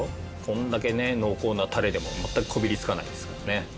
こんだけね濃厚なタレでも全くこびりつかないですからね。